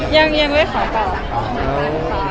ยังไม่ขอบับ